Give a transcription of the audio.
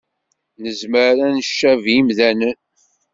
Nezmer ad ncabi imdanen